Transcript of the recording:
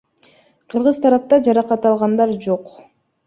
Кыргыз тарапта жаракат алгандар жок.